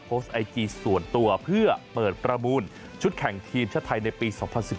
ไอจีส่วนตัวเพื่อเปิดประมูลชุดแข่งทีมชาติไทยในปี๒๐๑๘